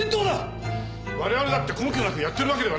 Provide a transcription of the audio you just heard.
我々だって根拠なくやってるわけでは。